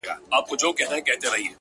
• ستا زامن چي د میدان پهلوانان دي,